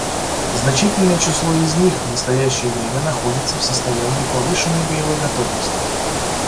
Значительное число из них в настоящее время находятся в состоянии повышенной боевой готовности.